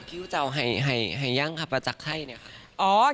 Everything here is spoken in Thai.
คิวจะเอาไหย่างมาจากไข้เนี่ยค่ะ